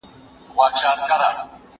زه کولای سم درسونه اورم!!